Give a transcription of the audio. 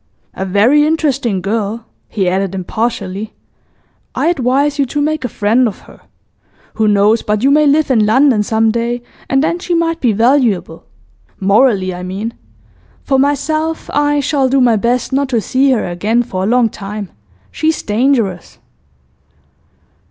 'A very interesting girl,' he added impartially. 'I advise you to make a friend of her. Who knows but you may live in London some day, and then she might be valuable morally, I mean. For myself, I shall do my best not to see her again for a long time; she's dangerous.